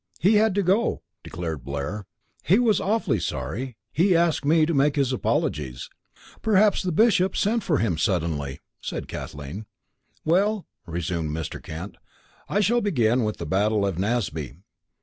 "He had to go," declared Blair. "He was awfully sorry. He asked me to make his apologies." "Perhaps the Bishop sent for him suddenly," said Kathleen. "Well," resumed Mr. Kent, "I shall begin with the Battle of Naseby.